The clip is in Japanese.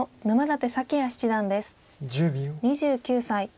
２９歳。